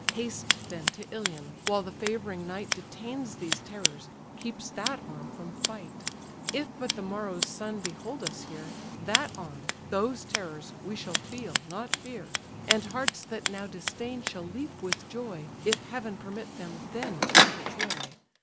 Haste then to Ilion, while the favouring night Detains these terrors, keeps that arm from fight. If but the morrow's sun behold us here, That arm, those terrors, we shall feel, not fear; And hearts that now disdain, shall leap with joy, If heaven permit them then to enter Troy.